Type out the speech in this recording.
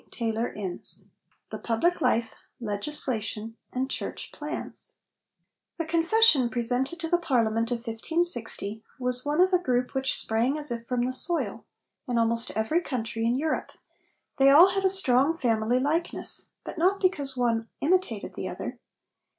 CHAPTER V THE PUBLIC LIFE: LEGISLATION AND CHURCH PLANS The Confession presented to the Parliament of 1560 was one of a group which sprang as if from the soil, in almost every country in Europe. They had all a strong family likeness; but not because one imitated the other.